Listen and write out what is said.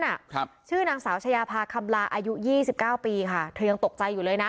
ครับชื่อนางสาวชายาพาคำลาอายุยี่สิบเก้าปีค่ะเธอยังตกใจอยู่เลยนะ